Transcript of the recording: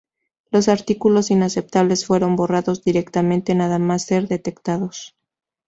Los artículos inaceptables fueron borrados directamente nada más ser detectados.